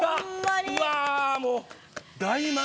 うわもう。